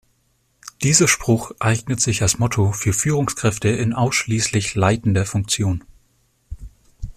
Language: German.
Dieser Spruch eignet sich als Motto für Führungskräfte in ausschließlich leitender Funktion.